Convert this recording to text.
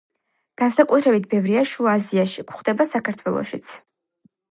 განსაკუთრებით ბევრია შუა აზიაში, გვხვდება საქართველოშიც.